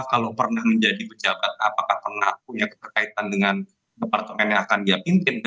kalau pernah menjadi pejabat apakah pernah punya keterkaitan dengan departemen yang akan dia pimpin